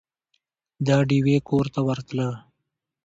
د ډېوې کور ته ورتله